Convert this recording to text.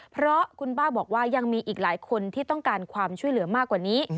เพราะคุณป้าบอกว่ายังมีอีกหลายคนที่ต้องการความช่วยเหลือมากกว่านี้